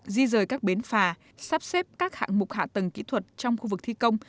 di rời các bến phà sắp xếp các hạng mục hạ tầng kỹ thuật trong khu vực thi công